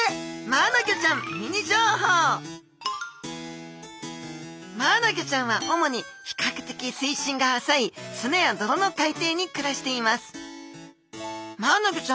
マアナゴちゃんは主にひかくてき水深が浅い砂や泥の海底に暮らしています